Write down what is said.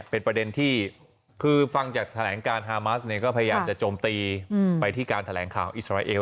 เป็นประเด็นที่คือฟังจากแถลงการฮามัสเนี่ยก็พยายามจะโจมตีไปที่การแถลงข่าวอิสราเอล